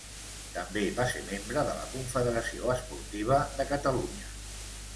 També va ser membre de la Confederació Esportiva de Catalunya.